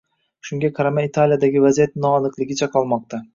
Shunga qaramay Italiyadagi vaziyat noaniqligicha qolmoqda